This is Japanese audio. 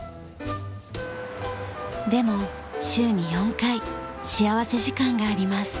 でも週に４回幸福時間があります。